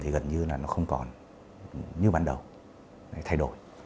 và qua hợp tác đó